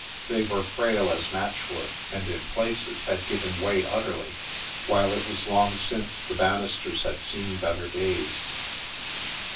They were frail as matchwood, and in places had given way utterly, while it was long since the banisters had seen better days.